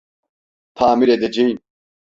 Tamir edeceğim.